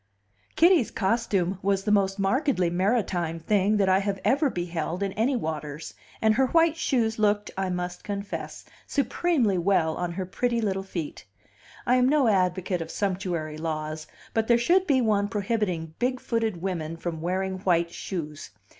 Kitty's costume was the most markedly maritime thing that I have ever beheld in any waters, and her white shoes looked (I must confess) supremely well on her pretty little feet. I am no advocate of sumptuary laws; but there should be one prohibiting big footed women from wearing white shoes.